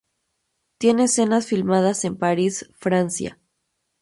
Tiene escenas filmadas en París, Francia.